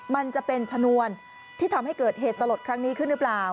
มันจะเป็นชนวนที่ทำให้เกิดเหตุสลดครั้งนี้ขึ้นหรือเปล่า